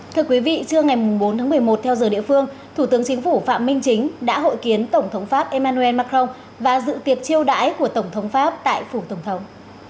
thưa quý vị trưa ngày bốn tháng một mươi một theo giờ địa phương thủ tướng chính phủ phạm minh chính đã hội kiến tổng thống pháp emmanuel macron và dự tiệp chiêu đãi của tổng thống pháp tại phủ tổng thống